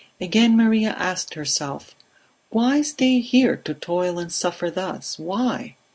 Again Maria asked herself: "Why stay here, to toil and suffer thus? Why?